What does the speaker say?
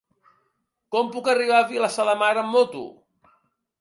Com puc arribar a Vilassar de Mar amb moto?